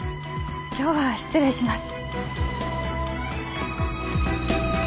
今日は失礼します